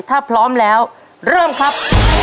ถ้าพร้อมแล้วเริ่มครับ